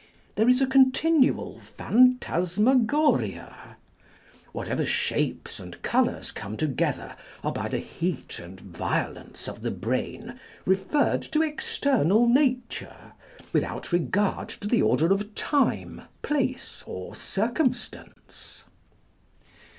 There is a continual phantasmagoria : whatever shapes and colours come together are by the heat and violence of the brain re ferred to external nature, without regard to the order of time, place, or circumstance.